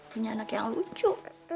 punya anak yang lucu